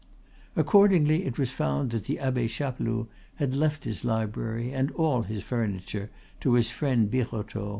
Accordingly, it was found that the Abbe Chapeloud had left his library and all his furniture to his friend Birotteau.